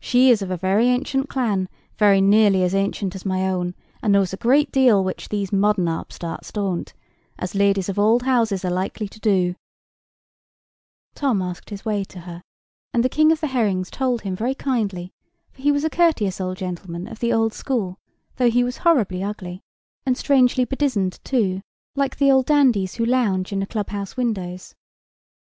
She is of a very ancient clan, very nearly as ancient as my own; and knows a good deal which these modern upstarts don't, as ladies of old houses are likely to do." [Picture: The King of the Herrings] Tom asked his way to her, and the King of the Herrings told him very kindly, for he was a courteous old gentleman of the old school, though he was horribly ugly, and strangely bedizened too, like the old dandies who lounge in the club house windows.